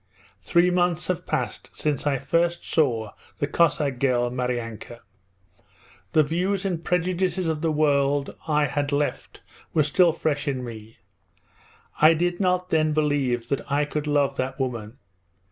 'Three months have passed since I first saw the Cossack girl, Maryanka. The views and prejudices of the world I had left were still fresh in me. I did not then believe that I could love that woman.